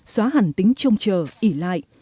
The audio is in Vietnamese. xóa hẳn tính trông chờ ỉ lại